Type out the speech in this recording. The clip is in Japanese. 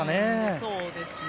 そうですね。